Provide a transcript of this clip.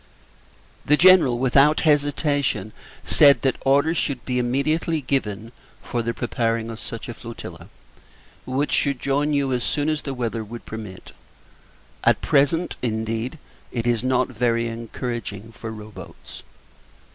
The General, without hesitation, said that orders should be immediately given for the preparing of such a flotilla, which should join you as soon as the weather would permit. At present, indeed, it is not very encouraging for row boats.